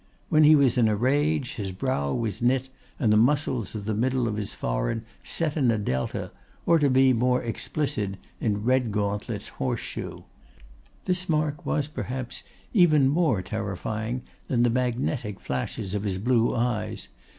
When he was in a rage his brow was knit and the muscles of the middle of his forehead set in a delta, or, to be more explicit, in Redgauntlet's horseshoe. This mark was, perhaps, even more terrifying than the magnetic flashes of his blue eyes.